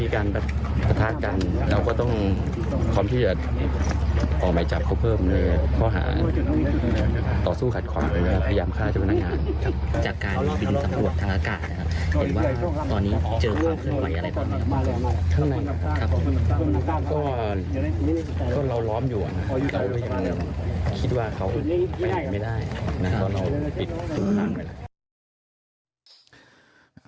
ก็เราร้อมอยู่นะครับเขาคิดว่าเขาไปไม่ได้นะครับตอนเราปิดคืนนั่ง